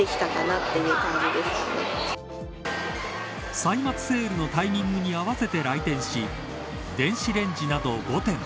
歳末セールのタイミングに合わせて来店し電子レンジなど５点。